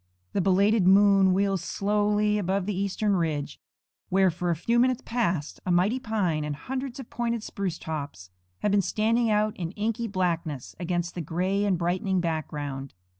The belated moon wheels slowly above the eastern ridge, where for a few minutes past a mighty pine and hundreds of pointed spruce tops have been standing out in inky blackness against the gray and brightening background.